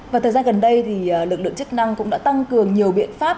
và thời gian gần đây thì lực lượng chức năng cũng đã tăng cường nhiều biện pháp